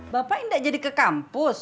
bapak enggak jadi ke kampus